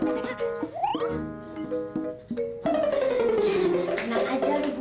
tenang aja lu